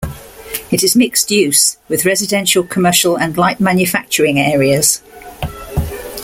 It is mixed use, with residential, commercial and light manufacturing areas.